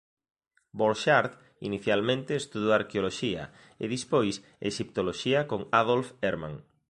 Borchardt inicialmente estudou arqueoloxía e despois exiptoloxía con Adolf Erman.